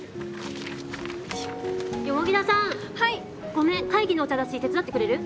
ごめん会議のお茶出し手伝ってくれる？